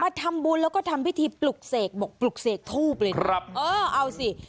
ทำบุญแล้วก็ทำพิธีปลุกเสกบอกปลุกเสกทูบเลยครับเออเอาสิ